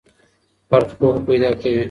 فرد پوهه پیدا کوي.